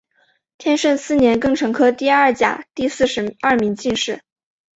天顺四年庚辰科第二甲第四十二名进士。